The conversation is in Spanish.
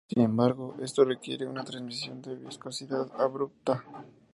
Sin embargo, esto requiere una transición de viscosidad abrupta.